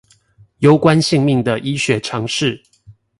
攸關性命的醫學常識